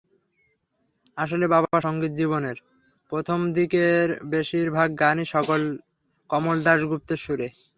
আসলে বাবার সংগীতজীবনের প্রথম দিকের বেশির ভাগ গানই কমল দাশগুপ্তের সুরে।